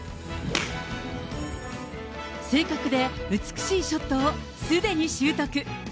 正確で美しいショットをすでに習得。